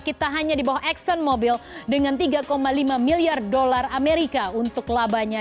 kita hanya di bawah exxon mobil dengan tiga lima miliar dolar amerika untuk labanya